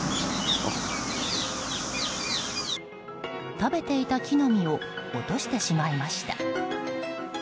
食べていた木の実を落としてしまいました。